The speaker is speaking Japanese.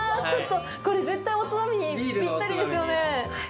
これ絶対おつまみにぴったりですよね。